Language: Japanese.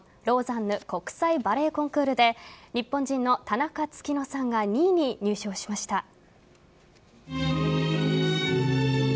ローザンヌ国際バレエコンクールで日本人の田中月乃さんが２位に入賞しました。